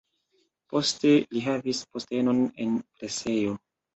Poste li havis postenon en presejo.